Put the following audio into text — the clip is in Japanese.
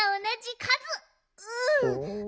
うん。